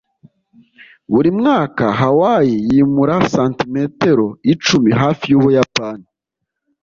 buri mwaka, hawaii yimura santimetero icumi hafi yubuyapani